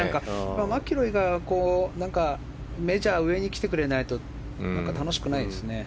マキロイがメジャー上にきてくれないと楽しくないですね。